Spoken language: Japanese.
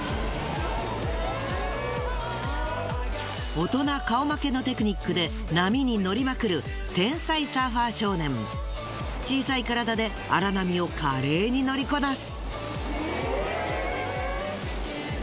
大人顔負けのテクニックで波に乗りまくる小さい体で荒波を華麗に乗りこなす！